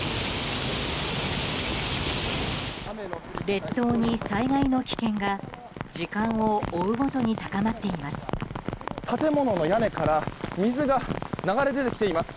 列島に災害の危険が時間を追うごとに高まっています。